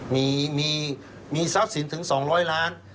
มีทรัพย์สินถึง๒๐๐ล้าน